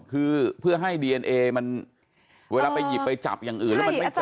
คือเพื่อให้ดีเอนเอมันเวลาไปหยิบไปจับอย่างอื่นแล้วมันไม่จับ